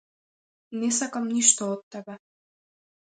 Не сакам ништо од тебе.